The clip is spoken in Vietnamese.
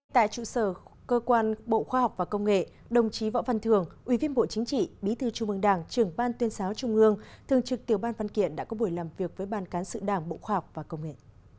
tại trụ sở cơ quan bộ khoa học và công nghệ đồng chí võ văn thưởng ubnd bí thư trung ương đảng trưởng ban tuyên sáo trung ương thường trực tiểu ban văn kiện đã có buổi làm việc với ban cán sự đảng bộ khoa học và công nghệ